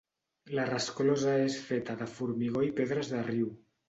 La resclosa és feta de formigó i pedres de riu.